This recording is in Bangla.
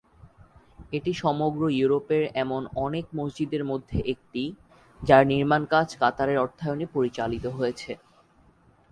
এটি সমগ্র ইউরোপের এমন অনেক মসজিদের মধ্যে একটি, যার নির্মাণকাজ কাতারের অর্থায়নে পরিচালিত হয়েছে।